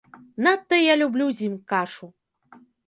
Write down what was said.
Надта я люблю з ім кашу.